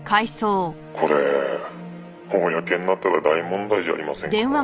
「これ公になったら大問題じゃありませんか？」